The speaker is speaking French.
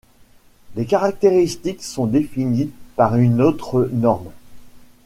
Les caractéristiques sont définies par une autre norme.